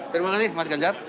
terima kasih mas genjar